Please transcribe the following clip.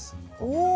お。